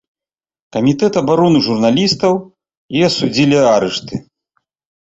Камітэт абароны журналістаў і асудзілі арышты.